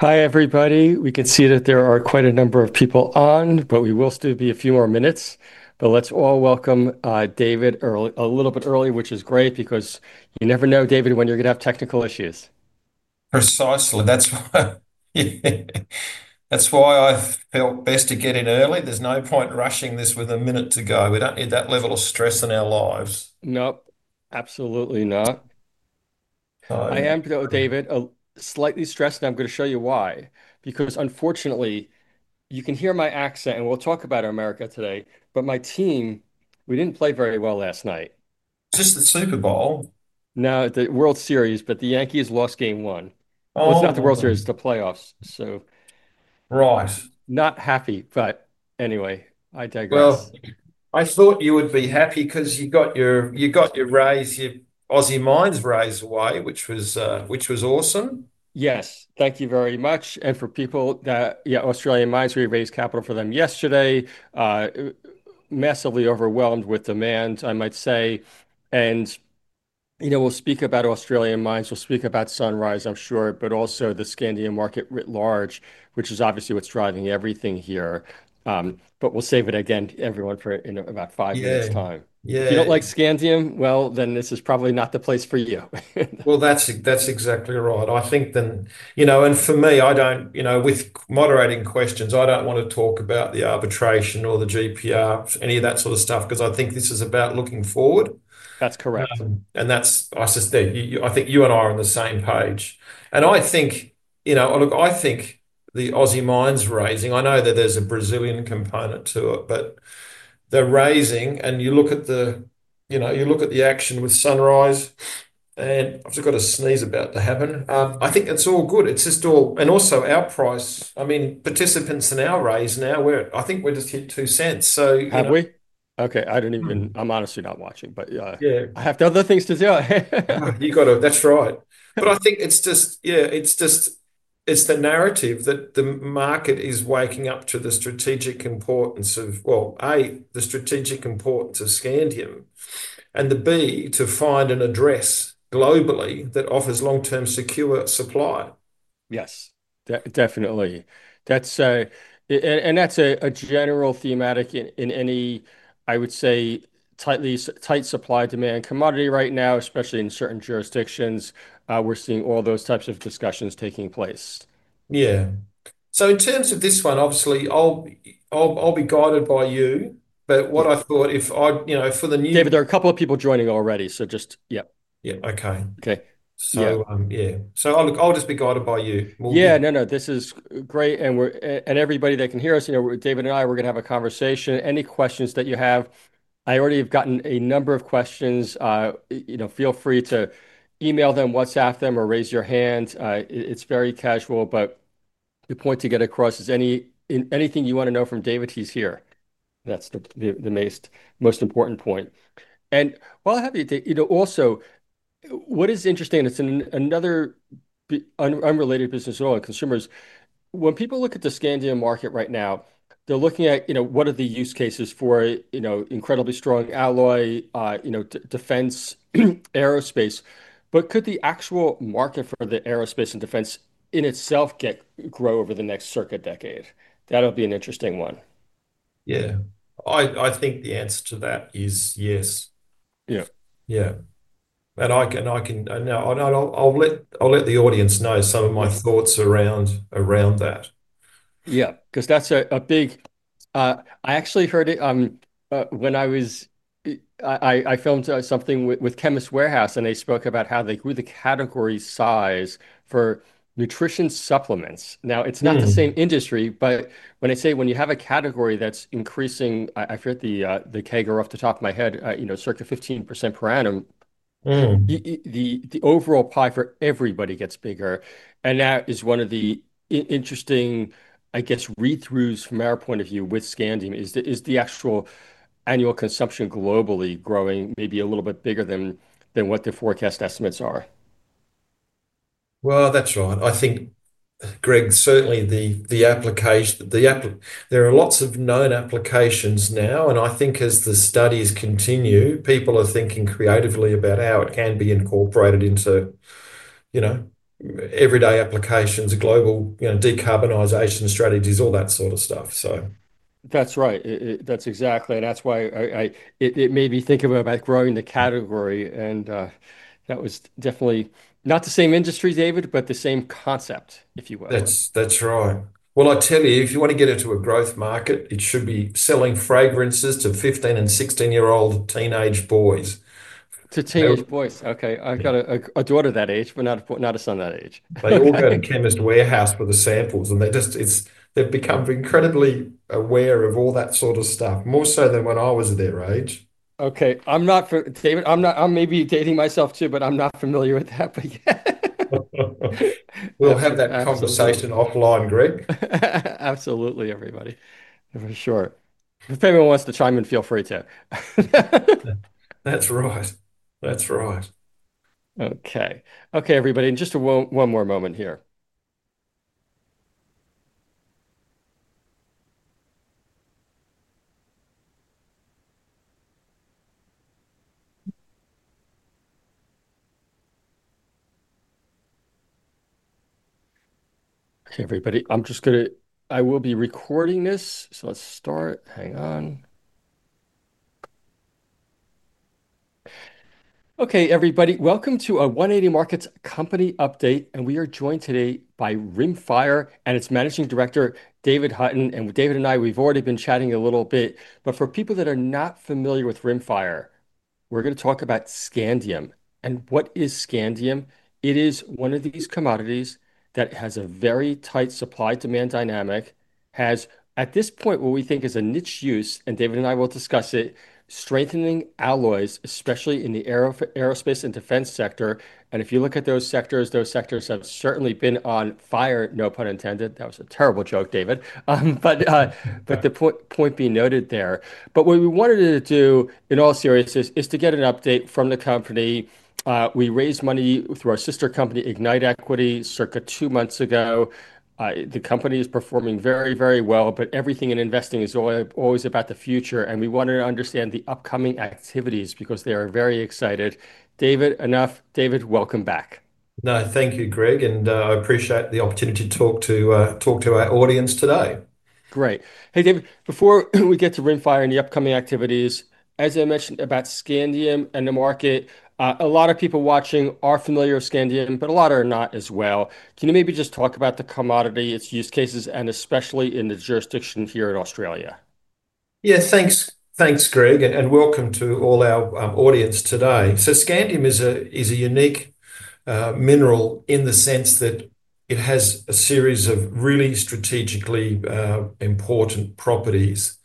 Hi, everybody. We can see that there are quite a number of people on, but we will still be a few more minutes. Let's all welcome David a little bit early, which is great because you never know, David, when you're going to have technical issues. Precisely. That's why I felt best to get in early. There's no point rushing this with a minute to go. We don't need that level of stress in our lives. Nope. Absolutely not. I am, though, David, slightly stressed, and I'm going to show you why. Unfortunately, you can hear my accent, and we'll talk about America today, but my team, we didn't play very well last night. Was this the Super Bowl? No, the World Series, but the Yankees lost game one. It's not the World Series, it's the playoffs. Right, not happy, but anyway, I digress. I thought you would be happy because you got your, you got your raise, your Aussie Mines raise away, which was, which was awesome. Yes, thank you very much. For people that, yeah, Australian Mines, we raised capital for them yesterday. Massively overwhelmed with demand, I might say. We'll speak about Australian Mines, we'll speak about Sunrise, I'm sure, but also the Scandium market writ large, which is obviously what's driving everything here. We'll save it again, everyone, for about five minutes' time. Yeah. If you don't like Scandium, this is probably not the place for you. That's exactly right. I think, you know, and for me, I don't, you know, with moderating questions, I don't want to talk about the arbitration or the GPR, any of that sort of stuff, because I think this is about looking forward. That's correct. I suspect you and I are on the same page. I think, you know, look, I think the Aussie Mines raising, I know that there's a Brazilian component to it, but they're raising, and you look at the action with Sunrise, and I've just got a sneeze about to happen. I think it's all good. It's just all, and also our price, I mean, participants in our raise now, we're, I think we're just hitting 0.02. So, you know. Have we? Okay, I'm honestly not watching, but yeah. I have other things to do. You got to. That's right. I think it's just the narrative that the market is waking up to the strategic importance of, A, the strategic importance of Scandium, and B, to find an address globally that offers long-term secure supply. Yes, definitely. That's a general thematic in any, I would say, tightly tight supply-demand commodity right now, especially in certain jurisdictions. We're seeing all those types of discussions taking place. Yeah, in terms of this one, obviously, I'll be guided by you, but what I thought, if I, you know, for the new. David, there are a couple of people joining already, so just, yep. Yeah, okay. Okay. Yeah, I'll just be guided by you. Yeah, no, this is great. Everybody that can hear us, you know, David and I, we're going to have a conversation. Any questions that you have? I already have gotten a number of questions. You know, feel free to email them, WhatsApp them, or raise your hand. It's very casual, but the point to get across is anything you want to know from David, he's here. That's the most important point. While I have the date, you know, also, what is interesting, it's another unrelated business at all, consumers. When people look at the Scandium market right now, they're looking at, you know, what are the use cases for, you know, incredibly strong alloy, you know, defense, aerospace. Could the actual market for the aerospace and defense in itself grow over the next decade? That'll be an interesting one. I think the answer to that is yes. Yeah. I can let the audience know some of my thoughts around that. Yeah, because that's a big, I actually heard it when I filmed something with Chemist Warehouse and they spoke about how they grew the category size for nutrition supplements. Now it's not the same industry, but when I say when you have a category that's increasing, I forget the CAGR off the top of my head, you know, circa 15% per annum. The overall pie for everybody gets bigger. That is one of the interesting, I guess, read-throughs from our point of view with Scandium is the actual annual consumption globally growing maybe a little bit bigger than what the forecast estimates are. I think, Greg, certainly the application, there are lots of known applications now, and I think as the studies continue, people are thinking creatively about how it can be incorporated into, you know, everyday applications, global, you know, decarbonization strategies, all that sort of stuff. That's right. That's exactly why it made me think about growing the category. That was definitely not the same industry, David, but the same concept, if you will. That's right. If you want to get into a growth market, it should be selling fragrances to 15 and 16-year-old teenage boys. To teenage boys. Okay, I've got a daughter that age, but not a son that age. They all go to Chemist Warehouse for the samples, and they've become incredibly aware of all that sort of stuff, more so than when I was at their age. Okay, David, I’m maybe dating myself too, but I’m not familiar with that. We'll have that conversation offline, Greg. Absolutely, everybody. For sure. If anyone wants to chime in, feel free to. That's right. That's right. Okay, everybody, just one more moment here. Okay, everybody, I'm just going to, I will be recording this, so let's start. Okay, everybody, welcome to a 180 Markets Company update, and we are joined today by Rimfire and its Managing Director, David Hutton. With David and I, we've already been chatting a little bit, but for people that are not familiar with Rimfire, we're going to talk about Scandium. What is Scandium? It is one of these commodities that has a very tight supply-demand dynamic, has at this point what we think is a niche use, and David and I will discuss it, strengthening alloys, especially in the aerospace and defense sector. If you look at those sectors, those sectors have certainly been on fire, no pun intended. That was a terrible joke, David, but the point being noted there. What we wanted to do in all seriousness is to get an update from the company. We raised money through our sister company, Ignite Equity, circa two months ago. The company is performing very, very well, but everything in investing is always about the future. We wanted to understand the upcoming activities because they are very excited. David, enough. David, welcome back. No, thank you, Greg. I appreciate the opportunity to talk to our audience today. Great. Hey, David, before we get to Rimfire and the upcoming activities, as I mentioned about Scandium and the market, a lot of people watching are familiar with Scandium, but a lot are not as well. Can you maybe just talk about the commodity, its use cases, and especially in the jurisdiction here in Australia? Yeah, thanks. Thanks, Greg. And welcome to all our audience today. Scandium is a unique mineral in the sense that it has a series of really strategically important properties.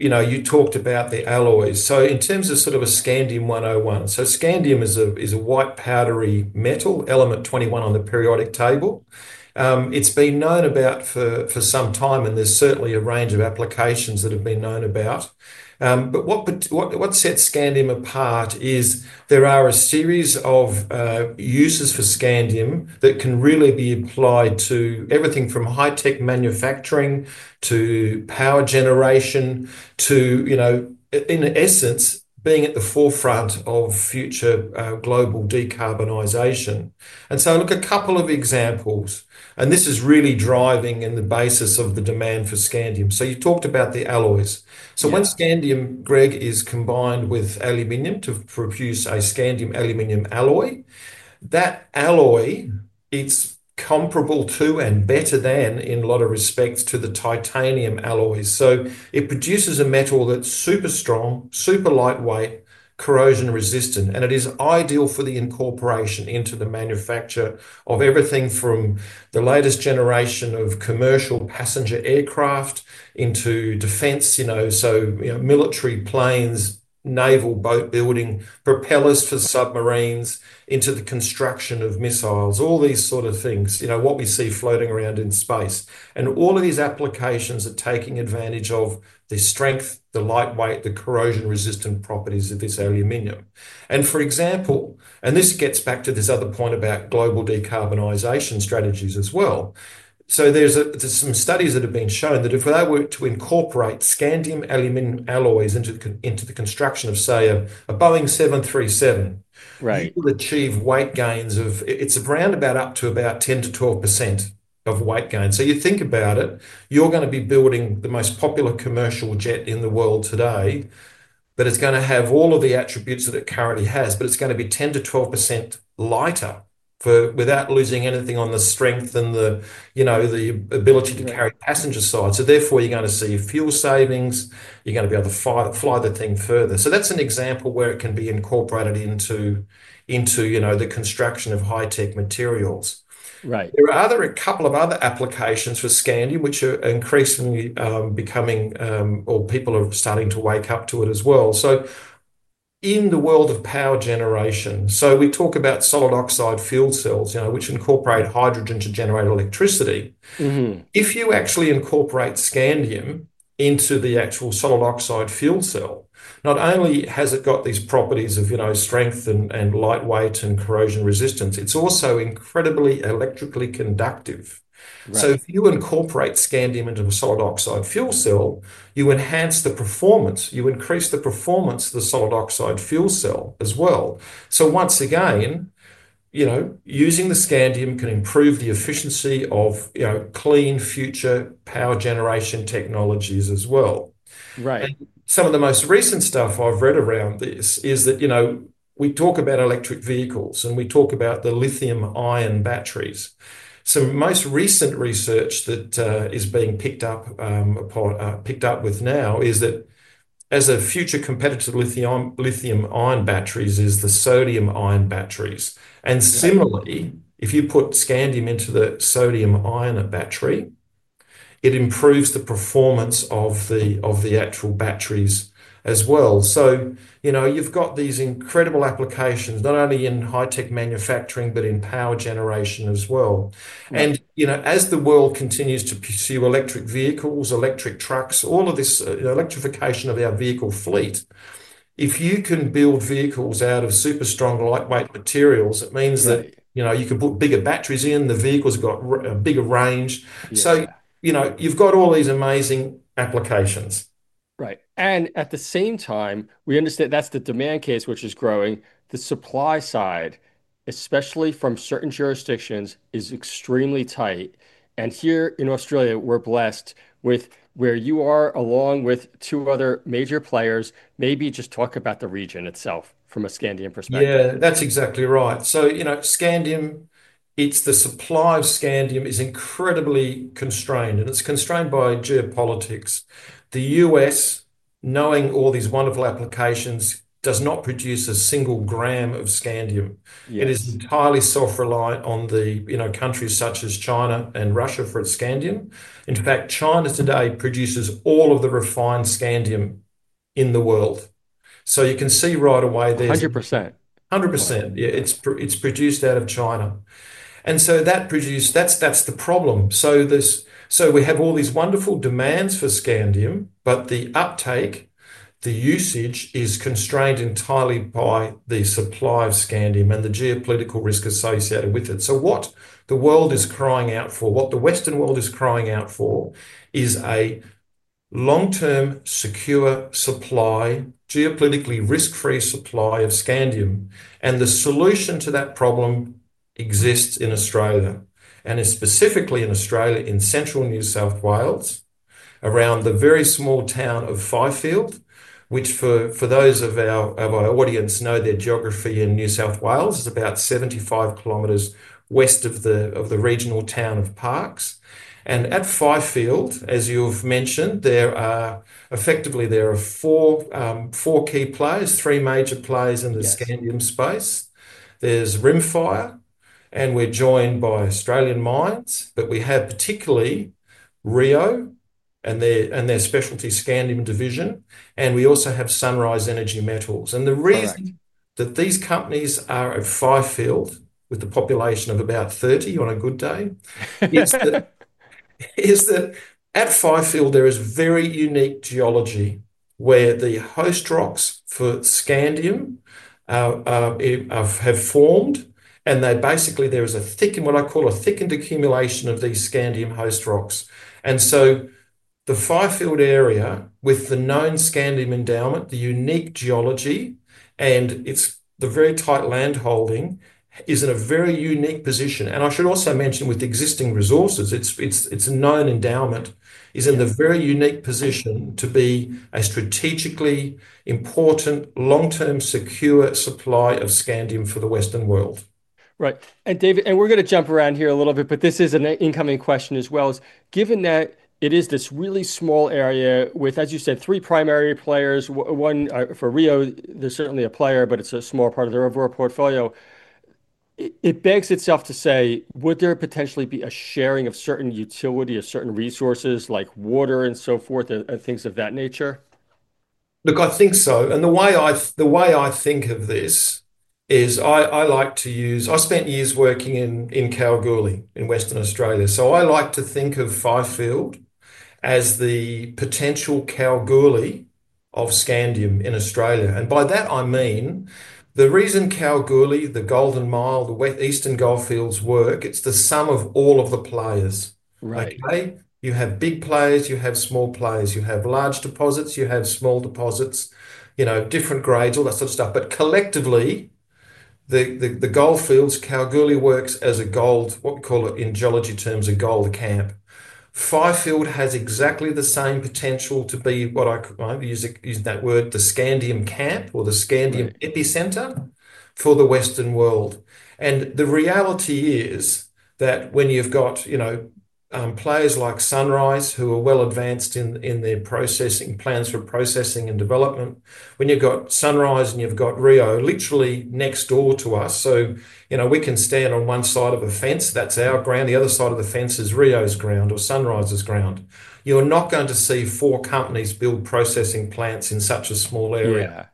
You talked about the alloys. In terms of sort of a Scandium 101, Scandium is a white powdery metal, element 21 on the periodic table. It's been known about for some time, and there's certainly a range of applications that have been known about. What sets Scandium apart is there are a series of uses for Scandium that can really be applied to everything from high-tech manufacturing to power generation to, in essence, being at the forefront of future global decarbonization. I look at a couple of examples, and this is really driving in the basis of the demand for Scandium. You talked about the alloys. When Scandium, Greg, is combined with aluminium to produce a Scandium aluminium alloy, that alloy is comparable to and better than, in a lot of respects, the titanium alloys. It produces a metal that's super strong, super lightweight, corrosion resistant, and it is ideal for incorporation into the manufacture of everything from the latest generation of commercial passenger aircraft into defense, military planes, naval boat building, propellers for submarines, into the construction of missiles, all these sort of things, what we see floating around in space. All of these applications are taking advantage of the strength, the lightweight, the corrosion resistant properties of this aluminium. For example, and this gets back to this other point about global decarbonization strategies as well, there are some studies that have been shown that if they were to incorporate Scandium aluminium alloys into the construction of, say, a Boeing 737, it will achieve weight gains of around about up to about 10%-12% of weight gain. You think about it, you're going to be building the most popular commercial jet in the world today, but it's going to have all of the attributes that it currently has, but it's going to be 10%-12% lighter without losing anything on the strength and the ability to carry passenger side. Therefore, you're going to see fuel savings, you're going to be able to fly the thing further. That's an example where it can be incorporated into the construction of high-tech materials. Right. There are a couple of other applications for Scandium, which are increasingly becoming, or people are starting to wake up to it as well. In the world of power generation, we talk about solid oxide fuel cells, you know, which incorporate hydrogen to generate electricity. If you actually incorporate Scandium into the actual solid oxide fuel cell, not only has it got these properties of strength and lightweight and corrosion resistance, it's also incredibly electrically conductive. If you incorporate Scandium into a solid oxide fuel cell, you enhance the performance, you increase the performance of the solid oxide fuel cell as well. Once again, using the Scandium can improve the efficiency of clean future power generation technologies as well. Right. Some of the most recent stuff I've read around this is that, you know, we talk about electric vehicles and we talk about the lithium-ion batteries. Some most recent research that is being picked up with now is that as a future competitor to lithium-ion batteries is the sodium-ion batteries. Similarly, if you put Scandium into the sodium-ion battery, it improves the performance of the actual batteries as well. You know, you've got these incredible applications, not only in high-tech manufacturing, but in power generation as well. You know, as the world continues to pursue electric vehicles, electric trucks, all of this, you know, electrification of our vehicle fleet, if you can build vehicles out of super strong lightweight materials, it means that, you know, you could put bigger batteries in, the vehicle's got a bigger range. You know, you've got all these amazing applications. Right. At the same time, we understand that's the demand case, which is growing. The supply side, especially from certain jurisdictions, is extremely tight. Here in Australia, we're blessed with where you are, along with two other major players. Maybe just talk about the region itself from a Scandium perspective. Yeah, that's exactly right. Scandium, the supply of Scandium is incredibly constrained, and it's constrained by geopolitics. The U.S., knowing all these wonderful applications, does not produce a single gram of Scandium. It is entirely self-reliant on countries such as China and Russia for its Scandium. In fact, China today produces all of the refined Scandium in the world. You can see right away. 100%. 100%. Yeah, it's produced out of China. That's the problem. We have all these wonderful demands for Scandium, but the uptake, the usage is constrained entirely by the supply of Scandium and the geopolitical risk associated with it. What the world is crying out for, what the Western world is crying out for, is a long-term secure supply, geopolitically risk-free supply of Scandium. The solution to that problem exists in Australia. It's specifically in Australia, in central New South Wales, around the very small town of Fifield, which, for those of our audience who know their geography in New South Wales, is about 75 km west of the regional town of Parks. At Fifield, as you've mentioned, there are effectively four key players, three major players in the Scandium space. There's Rimfire, and we're joined by Australian Mines, but we have particularly Rio Tinto and their specialty Scandium division, and we also have Sunrise Energy Metals. The reason that these companies are at Fifield, with the population of about 30 on a good day, is that at Fifield there is very unique geology where the host rocks for Scandium have formed, and basically, there is a thickened accumulation of these Scandium host rocks. The Fifield area, with the known Scandium endowment, the unique geology, and the very tight landholding, is in a very unique position. I should also mention with existing resources, it's a known endowment, is in the very unique position to be a strategically important, long-term secure supply of Scandium for the Western world. Right. David, we're going to jump around here a little bit, but this is an incoming question as well. Given that it is this really small area with, as you said, three primary players, one for Rio Tinto, there's certainly a player, but it's a small part of their overall portfolio. It begs itself to say, would there potentially be a sharing of certain utility or certain resources like water and so forth and things of that nature? Look, I think so. The way I think of this is I like to use, I spent years working in Kalgoorlie in Western Australia. I like to think of Fifield as the potential Kalgoorlie of Scandium in Australia. By that, I mean the reason Kalgoorlie, the Golden Mile, the Western Goldfields work, it's the sum of all of the players. You have big players, you have small players, you have large deposits, you have small deposits, different grades, all that sort of stuff. Collectively, the Goldfields, Kalgoorlie works as a gold, what we call it in geology terms, a gold camp. Fifield has exactly the same potential to be, what I use that word, the Scandium camp or the Scandium epicenter for the Western world. The reality is that when you've got players like Sunrise who are well advanced in their processing plans for processing and development, when you've got Sunrise and you've got Rio literally next door to us, we can stand on one side of a fence, that's our ground, the other side of the fence is Rio's ground or Sunrise's ground. You're not going to see four companies build processing plants in such a small area.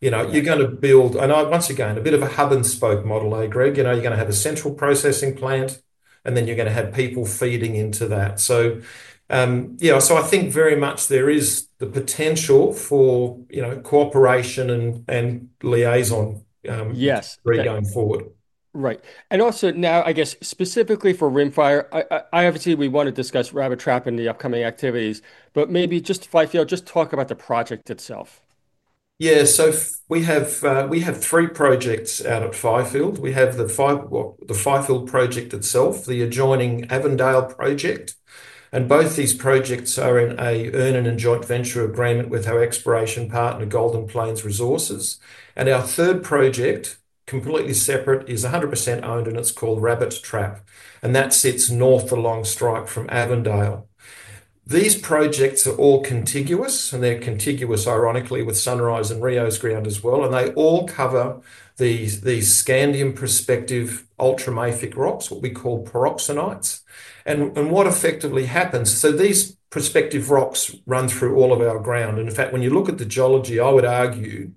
You're going to build, and I once again, a bit of a hub and spoke model, Greg, you're going to have a central processing plant, and then you're going to have people feeding into that. I think very much there is the potential for cooperation and liaison, yes, going forward. Right. Also, now, I guess specifically for Rimfire, obviously we want to discuss Rabbit Trap and the upcoming activities, but maybe just Fifield, just talk about the project itself. Yeah, we have three projects out at Fifield. We have the Fifield project itself, the adjoining Avondale project, and both these projects are in an earn and enjoy venture agreement with our exploration partner, Golden Plains Resources. Our third project, completely separate, is 100% owned, and it's called Rabbit Trap, and that sits north along strike from Avondale. These projects are all contiguous, and they're contiguous, ironically, with Sunrise and Rio Tinto's ground as well, and they all cover these Scandium prospective ultramafic rocks, what we call pyroxenites. What effectively happens is these prospective rocks run through all of our ground, and in fact, when you look at the geology, I would argue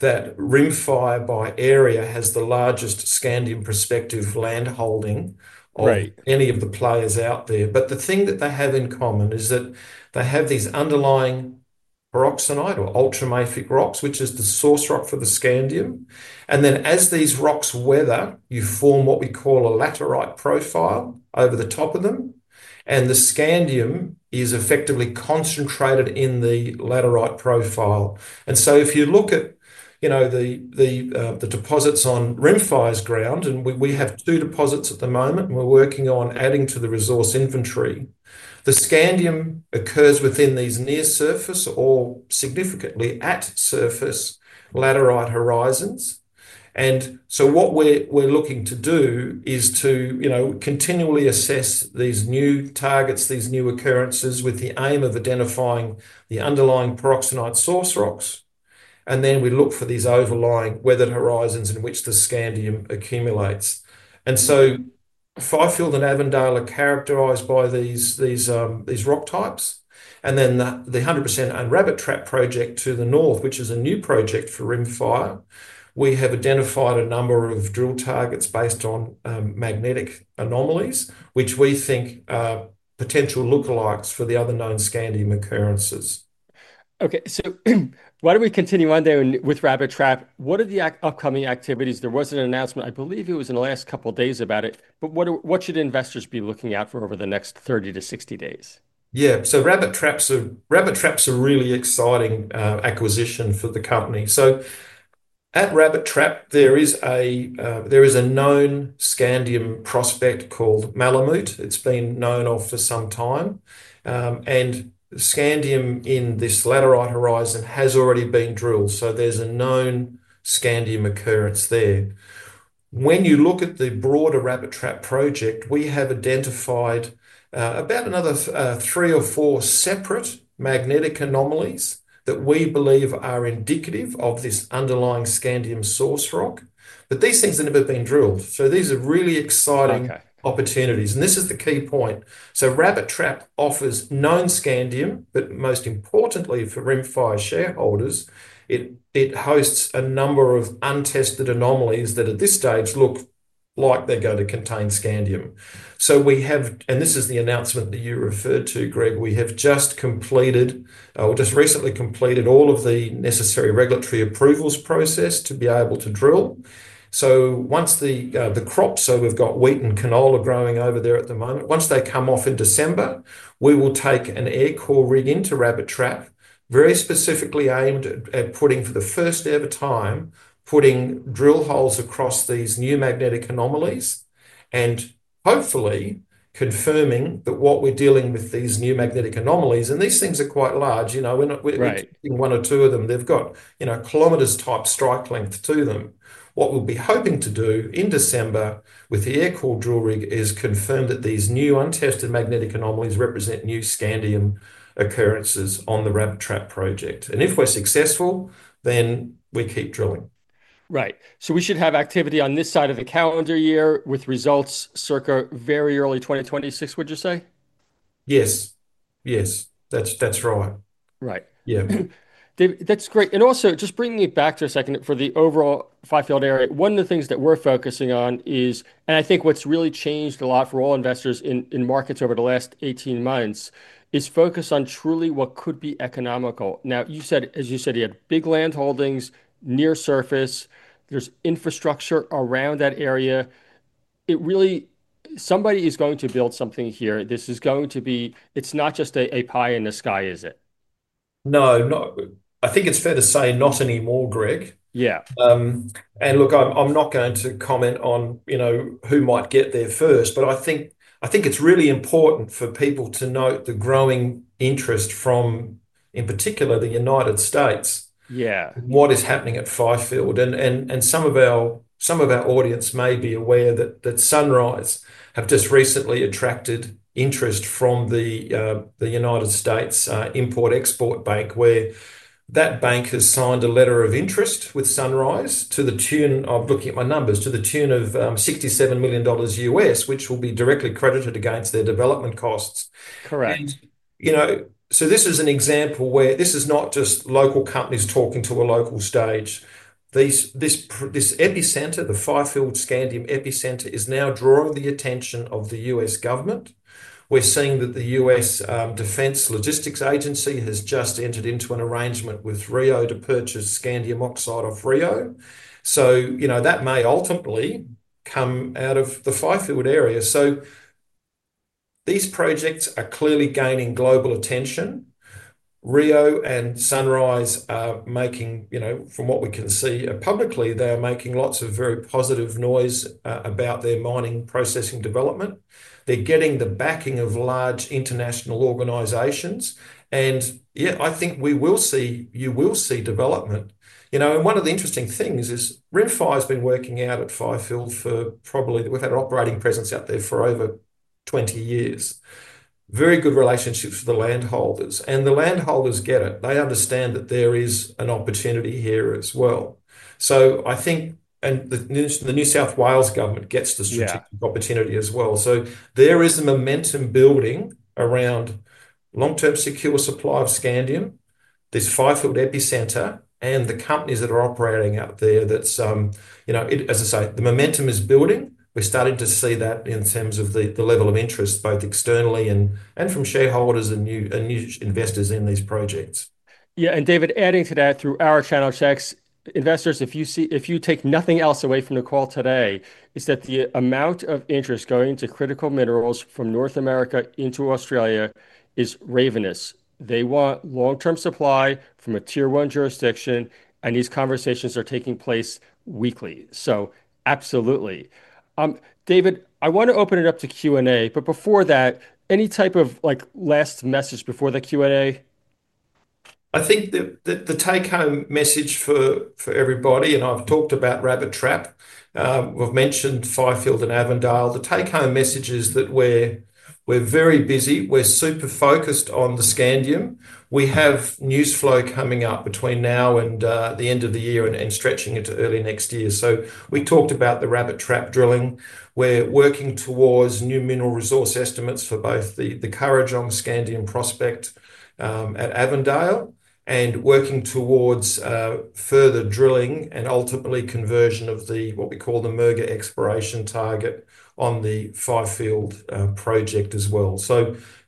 that Rimfire by area has the largest Scandium prospective land holding of any of the players out there. The thing that they have in common is that they have these underlying pyroxenite or ultramafic rocks, which is the source rock for the Scandium. As these rocks weather, you form what we call a laterite profile over the top of them, and the Scandium is effectively concentrated in the laterite profile. If you look at the deposits on Rimfire's ground, we have two deposits at the moment, and we're working on adding to the resource inventory. The Scandium occurs within these near surface or significantly at surface laterite horizons. What we're looking to do is to continually assess these new targets, these new occurrences with the aim of identifying the underlying pyroxenite source rocks. We look for these overlying weathered horizons in which the Scandium accumulates. Fifield and Avondale are characterized by these rock types. The 100% owned Rabbit Trap project to the north, which is a new project for Rimfire, we have identified a number of drill targets based on magnetic anomalies, which we think are potential lookalikes for the other known Scandium occurrences. Okay, why don't we continue on there with Rabbit Trap? What are the upcoming activities? There was an announcement, I believe it was in the last couple of days about it, but what should investors be looking out for over the next 30-60 days? Yeah, Rabbit Trap's a really exciting acquisition for the company. At Rabbit Trap, there is a known Scandium prospect called Malamute. It's been known of for some time, and Scandium in this laterite horizon has already been drilled, so there's a known Scandium occurrence there. When you look at the broader Rabbit Trap project, we have identified about another three or four separate magnetic anomalies that we believe are indicative of this underlying Scandium source rock. These things have never been drilled, so these are really exciting opportunities, and this is the key point. Rabbit Trap offers known Scandium, but most importantly for Rimfire shareholders, it hosts a number of untested anomalies that at this stage look like they're going to contain Scandium. This is the announcement that you referred to, Greg. We have just completed, or just recently completed, all of the necessary regulatory approvals process to be able to drill. Once the crops, so we've got wheat and canola growing over there at the moment, once they come off in December, we will take an air core rig into Rabbit Trap, very specifically aimed at putting, for the first ever time, drill holes across these new magnetic anomalies and hopefully confirming that what we're dealing with, these new magnetic anomalies, and these things are quite large, you know, we're not picking one or two of them, they've got, you know, km type strike length to them. What we'll be hoping to do in December with the air core drill rig is confirm that these new untested magnetic anomalies represent new Scandium occurrences on the Rabbit Trap project. If we're successful, then we keep drilling. Right. We should have activity on this side of the calendar year, with results circa very early 2026, would you say? Yes, that's right. Right. Yeah. That's great. Also, just bringing it back for a second for the overall Fifield area, one of the things that we're focusing on is, and I think what's really changed a lot for all investors in markets over the last 18 months is focus on truly what could be economical. Now, you said, as you said, you had big land holdings, near surface, there's infrastructure around that area. It really, somebody is going to build something here. This is going to be, it's not just a pie in the sky, is it? No, I think it's fair to say not anymore, Greg. Yeah. I'm not going to comment on who might get there first, but I think it's really important for people to note the growing interest from, in particular, the United States. Yeah. What is happening at Fifield, and some of our audience may be aware that Sunrise have just recently attracted interest from the U.S. Export-Import Bank, where that bank has signed a letter of interest with Sunrise to the tune of, looking at my numbers, $67 million U.S., which will be directly credited against their development costs. Correct. This is an example where this is not just local companies talking to a local stage. The Fifield Scandium epicenter is now drawing the attention of the U.S. government. We're seeing that the U.S. Defense Logistics Agency has just entered into an arrangement with Rio Tinto to purchase Scandium oxide off Rio Tinto. That may ultimately come out of the Fifield area. These projects are clearly gaining global attention. Rio Tinto and Sunrise Energy Metals are making, from what we can see publicly, lots of very positive noise about their mining processing development. They're getting the backing of large international organizations. I think we will see, you will see development. One of the interesting things is Rimfire Pacific Mining Limited has been working out at Fifield for probably, with an operating presence out there for over 20 years. Very good relationships with the landholders, and the landholders get it. They understand that there is an opportunity here as well. I think the New South Wales government gets this opportunity as well. There is momentum building around long-term secure supply of Scandium, this Fifield epicenter, and the companies that are operating out there. As I say, the momentum is building. We started to see that in terms of the level of interest, both externally and from shareholders and new investors in these projects. Yeah, and David, adding to that, through our channel checks, investors, if you see, if you take nothing else away from the call today, is that the amount of interest going into critical minerals from North America into Australia is ravenous. They want long-term supply from a tier one jurisdiction, and these conversations are taking place weekly. Absolutely. David, I want to open it up to Q&A, but before that, any type of last message before the Q&A? I think that the take-home message for everybody, and I've talked about Rabbit Trap, we've mentioned Fifield and Avondale. The take-home message is that we're very busy. We're super focused on the Scandium. We have news flow coming up between now and the end of the year and stretching into early next year. We talked about the Rabbit Trap drilling. We're working towards new mineral resource estimates for both the Kharajong Scandium prospect at Avondale and working towards further drilling and ultimately conversion of what we call the merger exploration target on the Fifield project as well.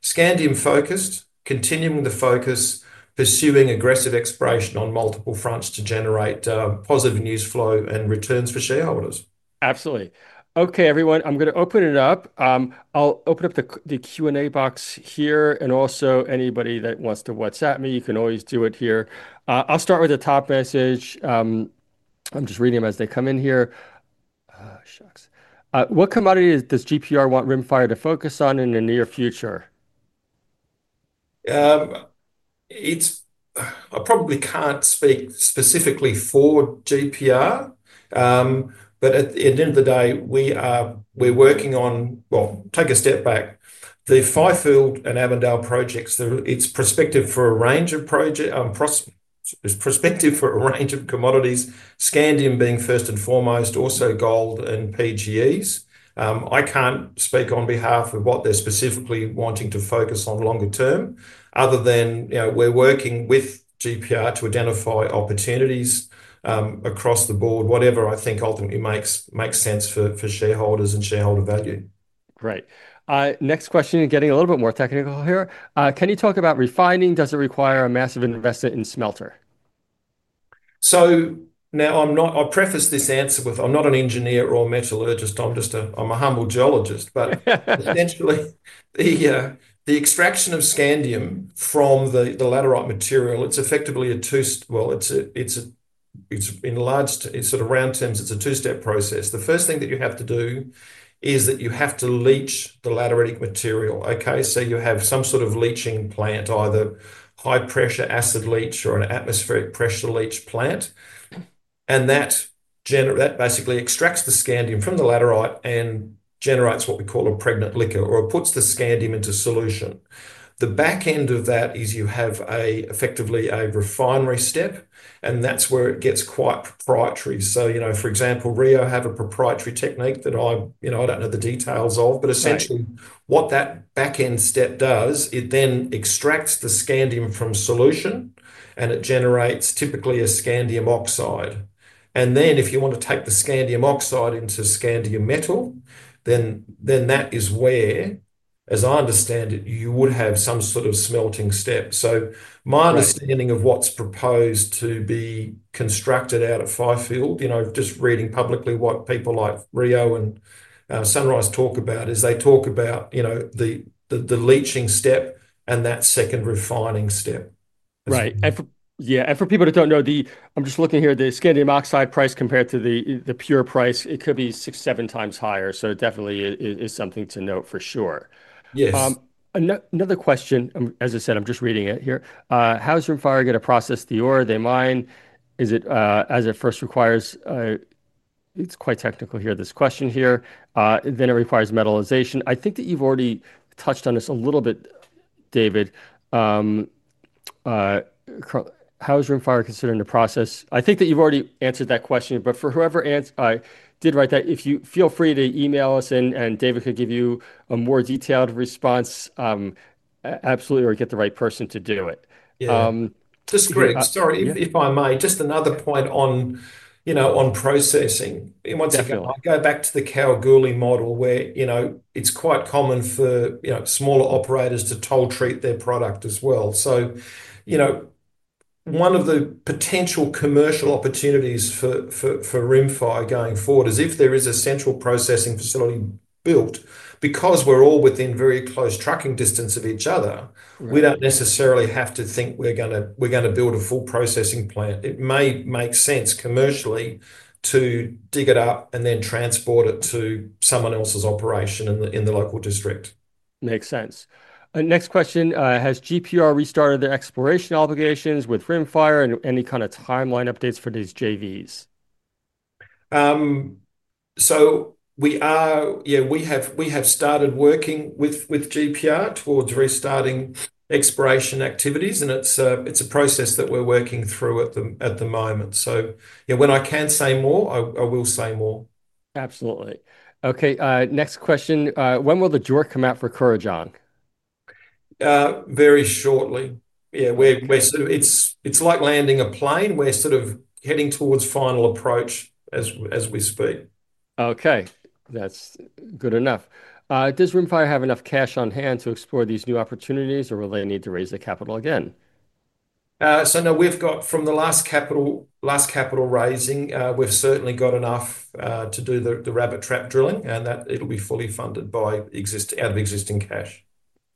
Scandium focused, continuing the focus, pursuing aggressive exploration on multiple fronts to generate positive news flow and returns for shareholders. Absolutely. Okay, everyone, I'm going to open it up. I'll open up the Q&A box here and also anybody that wants to WhatsApp me, you can always do it here. I'll start with the top message. I'm just reading them as they come in here. What commodity does GPR want Rimfire to focus on in the near future? I probably can't speak specifically for GPR, but at the end of the day, we are working on, take a step back. The Fifield and Avondale projects, it's prospective for a range of projects, prospective for a range of commodities, Scandium being first and foremost, also gold and platinum group elements. I can't speak on behalf of what they're specifically wanting to focus on longer term, other than, you know, we're working with GPR to identify opportunities across the board, whatever I think ultimately makes sense for shareholders and shareholder value. Great. Next question, you're getting a little bit more technical here. Can you talk about refining? Does it require a massive investment in smelter? I'm not an engineer or a metallurgist. I'm just a humble geologist, but essentially the extraction of Scandium from the laterite material is, in round terms, a two-step process. The first thing that you have to do is leach the lateritic material. You have some sort of leaching plant, either high pressure acid leach or an atmospheric pressure leach plant, and that basically extracts the Scandium from the laterite and generates what we call a pregnant liquor or puts the Scandium into solution. The back end of that is you have effectively a refinery step, and that's where it gets quite proprietary. For example, Rio Tinto had a proprietary technique that I don't know the details of, but essentially what that backend step does is it then extracts the Scandium from solution and it generates typically a Scandium oxide. If you want to take the Scandium oxide into Scandium metal, then that is where, as I understand it, you would have some sort of smelting step. My understanding of what's proposed to be constructed out at Fifield, just reading publicly what people like Rio Tinto and Sunrise Energy Metals talk about, is they talk about the leaching step and that second refining step. Right. For people that don't know, I'm just looking here, the Scandium oxide price compared to the pure price, it could be six, seven times higher. It definitely is something to note for sure. Yes. Another question, as I said, I'm just reading it here. How's Rimfire going to process the ore they mine? Is it, as it first requires, it's quite technical here, this question here. Then it requires metallization. I think that you've already touched on this a little bit, David. How's Rimfire considering the process? I think that you've already answered that question, but for whoever answered, I did write that, if you feel free to email us and David could give you a more detailed response, absolutely, or get the right person to do it. Yeah, just great. Sorry, if I might, just another point on processing. In one second, I'll go back to the Kalgoorlie model where it's quite common for smaller operators to toll treat their product as well. One of the potential commercial opportunities for Rimfire going forward is if there is a central processing facility built, because we're all within very close trucking distance of each other, we don't necessarily have to think we're going to build a full processing plant. It may make sense commercially to dig it up and then transport it to someone else's operation in the local district. Makes sense. Next question, has GPR restarted their exploration obligations with Rimfire and any kind of timeline updates for these JVs? We have started working with GPR towards restarting exploration activities. It's a process that we're working through at the moment. When I can say more, I will say more. Absolutely. Okay, next question. When will the drawer come out for Kharajong? Very shortly. Yeah, we're sort of, it's like landing a plane. We're heading towards final approach as we speak. Okay, that's good enough. Does Rimfire have enough cash on hand to explore these new opportunities, or will they need to raise the capital again? No, we've got from the last capital raising, we've certainly got enough to do the Rabbit Trap drilling, and that'll be fully funded out of existing cash.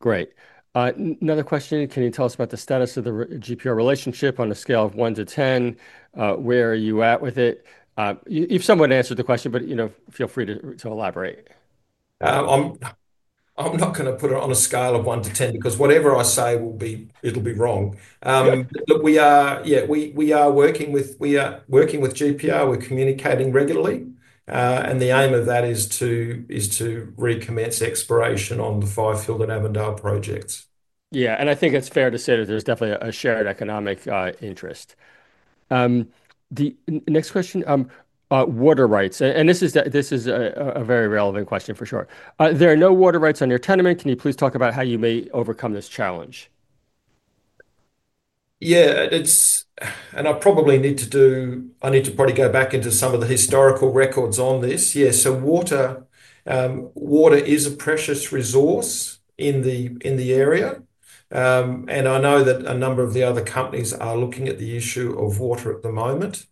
Great. Another question. Can you tell us about GPR relationship on a scale of one to ten? Where are you at with it? If someone answered the question, but you know, feel free to elaborate. I'm not going to put it on a scale of one to ten because whatever I say will be, it'll be wrong. Look, we are working with GPR. We're communicating regularly, and the aim of that is to recommence exploration on the Fifield and Avondale projects. Yeah, I think it's fair to say that there's definitely a shared economic interest. The next question, water rights, and this is a very relevant question for sure. There are no water rights on your tenement. Can you please talk about how you may overcome this challenge? Yeah, that's, I probably need to go back into some of the historical records on this. Water is a precious resource in the area, and I know that a number of the other companies are looking at the issue of water at the moment.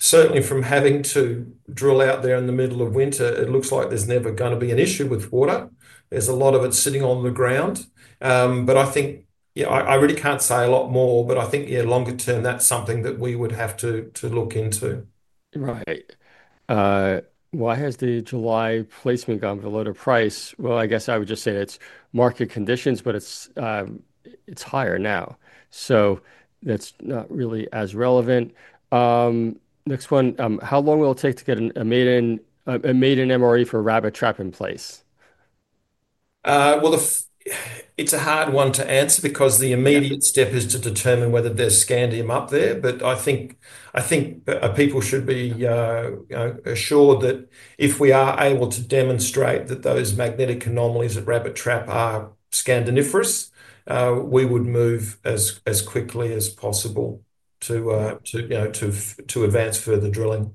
Certainly from having to drill out there in the middle of winter, it looks like there's never going to be an issue with water. There's a lot of it sitting on the ground. I think, I really can't say a lot more, but I think longer term, that's something that we would have to look into. Right. Why has the July placement gone below the price? I guess I would just say it's market conditions, but it's higher now, so that's not really as relevant. Next one, how long will it take to get a maiden MRE for Rabbit Trap in place? It's a hard one to answer because the immediate step is to determine whether there's Scandium up there. I think people should be assured that if we are able to demonstrate that those magnetic anomalies at Rabbit Trap are scandium-bearing, we would move as quickly as possible to advance further drilling.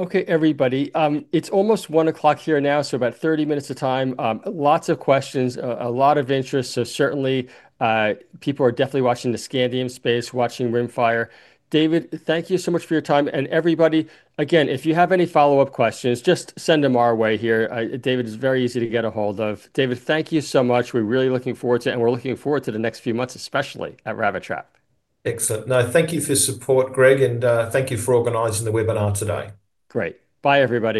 Okay, everybody, it's almost 1:00 P.M. here now, so about 30 minutes of time. Lots of questions, a lot of interest, so certainly, people are definitely watching the Scandium space, watching Rimfire. David, thank you so much for your time, and everybody, again, if you have any follow-up questions, just send them our way here. David is very easy to get a hold of. David, thank you so much. We're really looking forward to it, and we're looking forward to the next few months, especially at Rabbit Trap. Excellent. No, thank you for your support, Greg, and thank you for organizing the webinar today. Great. Bye, everybody.